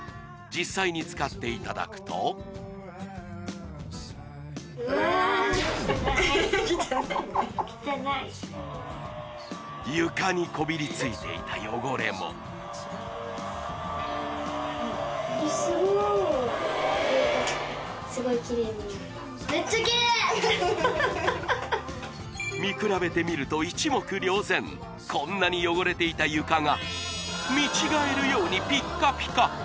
実際に使っていただくと床にこびりついていた汚れも・スゴい・スゴいきれいになった見比べてみると一目瞭然こんなに汚れていた床が見違えるようにピッカピカ